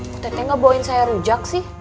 kok tete gak bawain saya rujak sih